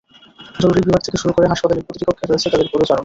জরুরি বিভাগ থেকে শুরু করে হাসপাতালের প্রতিটি কক্ষে রয়েছে তাঁদের পদচারণ।